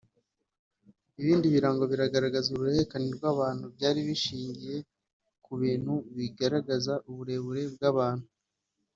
Ibindi birango bigaragaza uruhererekane rw’abantu byari bishingiye ku bintu bigaragaza uburebure bw’abantu